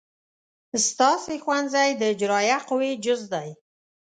ستاسې ښوونځی د اجرائیه قوې جز دی.